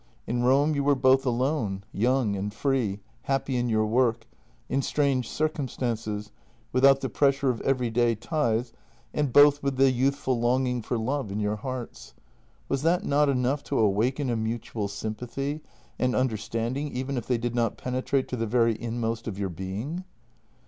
In Rome you were both alone, young and free, happy in your work; in strange circum stances, without the pressure of everyday ties, and both with the youthful longing for love in your hearts. Was that not enough to awaken a mutual sympathy and understanding even if they did not penetrate to the very inmost of your being?